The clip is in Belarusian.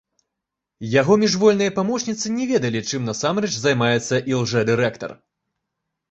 Яго міжвольныя памочніцы не ведалі, чым насамрэч займаецца ілжэ-дырэктар.